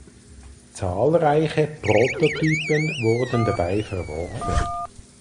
Zahlreiche Prototypen wurden dabei verworfen.